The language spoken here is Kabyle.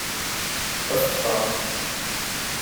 Ad t-ffreɣ.